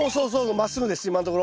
まっすぐです今のところ。